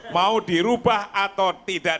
mau dirubah atau tidak